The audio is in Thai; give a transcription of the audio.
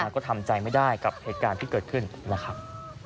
ก็ทำใจไม่ได้กับเหตุการณ์ที่เกิดขึ้นนะครับ